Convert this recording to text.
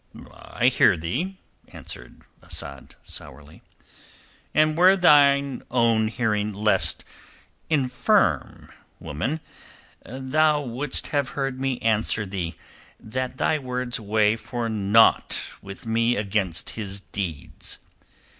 "I hear thee," answered Asad sourly. "And were thine own hearing less infirm, woman, thou wouldst have heard me answer thee that thy words weigh for naught with me against his deeds.